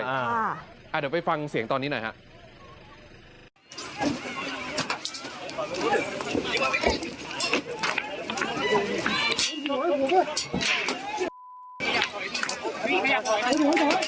เดี๋ยวไปฟังเสียงตอนนี้หน่อยครับ